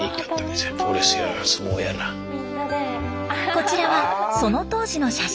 こちらはその当時の写真。